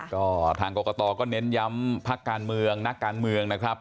ก็ทางกรกตก็เน้นย้ำพักการเมืองนักการเมืองนะครับ